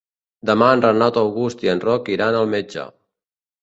Demà en Renat August i en Roc iran al metge.